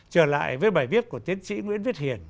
trở lại với bài viết của tiến sĩ nguyễn viết hiền